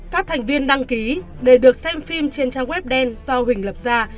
các thành viên đăng ký để được xem phim trên trang web đen do huỳnh lập ra